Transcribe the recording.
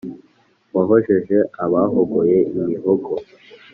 wahojeje abahogoye imihogo